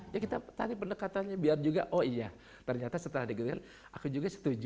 ya kita tarik pendekatannya biar juga oh iya ternyata setelah digelar aku juga setuju